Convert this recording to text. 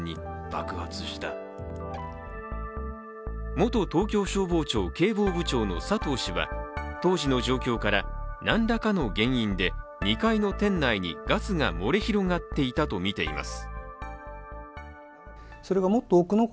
元東京消防庁警防部長の佐藤氏は、当時の状況から何らかの原因で２階の店内にガスが漏れ広がっていたとみています。